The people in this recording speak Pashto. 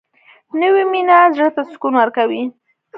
نوې مینه زړه ته سکون ورکوي